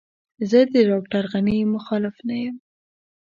زه د ډاکټر غني مخالف نه وم.